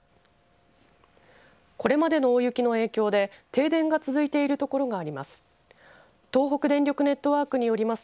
これまでの大雪の影響で停電が続いてる所があります。